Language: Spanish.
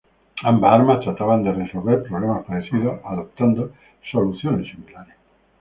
Ambas armas trataban de resolver problemas parecidos, adoptando soluciones similares.